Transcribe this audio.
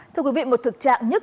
thưa quý vị một thực trạng nhất